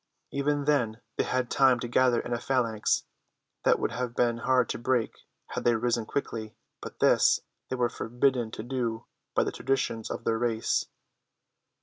Even then they had time to gather in a phalanx that would have been hard to break had they risen quickly, but this they were forbidden to do by the traditions of their race.